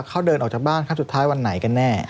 เขาเดินออกจากบ้านครั้งสุดท้ายวันไหนกันแน่